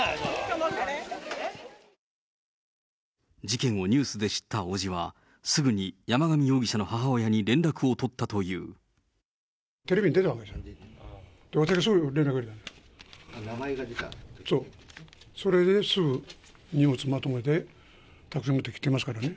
事件をニュースで知った伯父は、すぐに山上容疑者の母親に連テレビに出たんですよ。